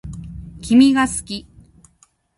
君が好き